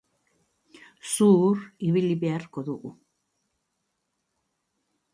Zuhur ibili beharko dugu.